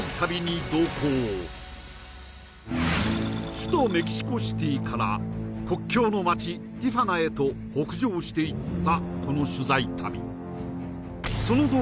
首都メキシコシティから国境の町ティファナへと北上していった